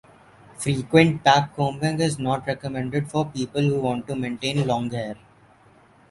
Frequent backcombing is not recommended for people who want to maintain long hair.